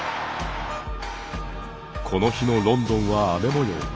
この日のロンドンは雨もよう。